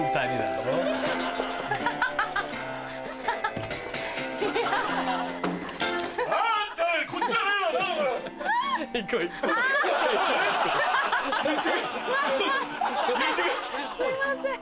すいません。